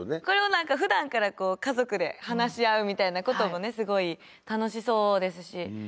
これを何かふだんから家族で話し合うみたいなこともすごい楽しそうですし。